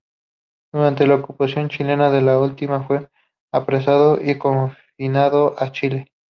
Durante la ocupación chilena de Lima fue apresado y confinado a Chile.